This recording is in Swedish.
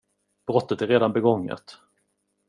Brottet är redan begånget.